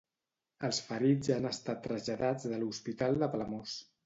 Els ferits han estat traslladats de l'Hospital de Palamós.